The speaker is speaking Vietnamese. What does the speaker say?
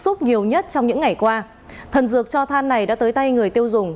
xúc nhiều nhất trong những ngày qua thần dược cho than này đã tới tay người tiêu dùng